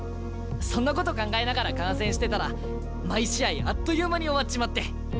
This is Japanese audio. そんなこと考えながら観戦してたら毎試合あっという間に終わっちまって。